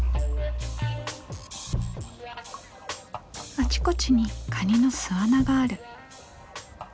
あちこちにカニの巣穴がある。